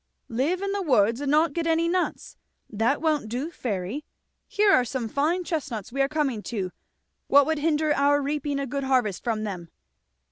"Live in the woods and not get any nuts! that won't do, Fairy. Here are some fine chestnuts we are coming to what would hinder our reaping a good harvest from them?"